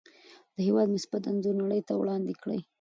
د هېواد مثبت انځور نړۍ ته وړاندې کړئ.